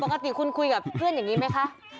ปกติคุณคุยกับเพื่อนอย่างนี้ไหมคะ